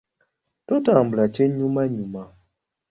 Totambula kyennyumannyuma.